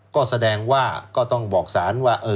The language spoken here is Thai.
ก็แสดงว่าก็ต้องบอกสารว่า